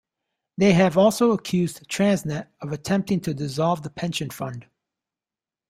They have also accused Transnet of attempting to dissolve the pension fund.